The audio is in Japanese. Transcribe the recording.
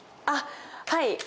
あっはい。